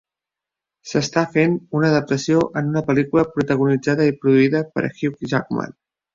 S'està fent una adaptació en una pel·lícula protagonitzada i produïda per Hugh Jackman.